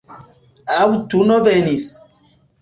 Aŭtuno venis.